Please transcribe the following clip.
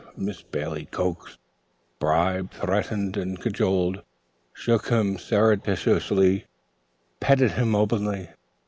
Miss Bailey coaxed, bribed, threatened and cajoled; shook him surreptitiously, petted him openly.